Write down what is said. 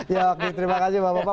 ya oke terima kasih bapak bapak